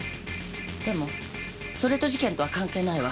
でもそれと事件とは関係ないわ。